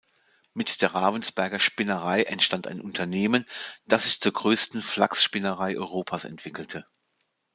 Mit der Ravensberger Spinnerei entstand ein Unternehmen, das sich zur größten Flachsspinnerei Europas entwickelte.